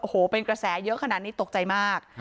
โอ้โหเป็นกระแสเยอะขนาดนี้ตกใจมาก